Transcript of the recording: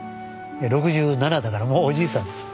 ６７だからもうおじいさんですよ。